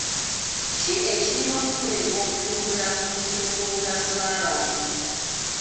Ki ekirina okukolebwa okutumbula ku mutindo gw'obulamu bw'abantu?